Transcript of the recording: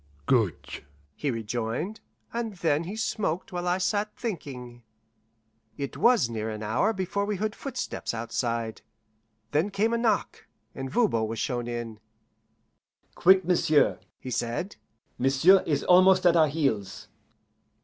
"Good," he rejoined, and then he smoked while I sat thinking. It was near an hour before we heard footsteps outside; then came a knock, and Voban was shown in. "Quick, m'sieu'," he said. "M'sieu' is almost at our heels."